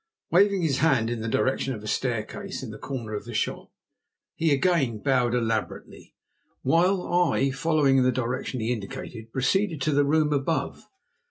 Waving his hand in the direction of a staircase in the corner of the shop he again bowed elaborately, while I, following the direction he indicated, proceeded to the room above.